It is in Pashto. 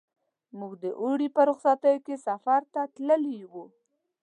موږ د اوړي په رخصتیو کې سفر ته تللي وو.